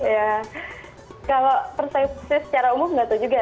ya kalau persensi secara umum enggak tuh juga